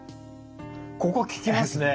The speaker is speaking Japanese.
ここ効きますね。